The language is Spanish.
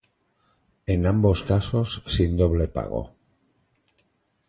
En ambos casos, sin doble pago.